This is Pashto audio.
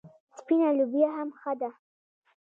سپینه لوبیا هم ښه ده.